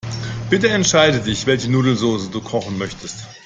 Bitte entscheide dich, welche Nudelsoße du kochen möchtest.